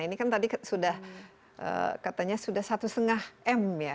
ini kan tadi sudah katanya sudah satu setengah m ya